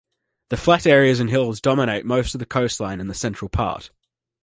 The flat areas and hills dominate most of the coastline and the central part.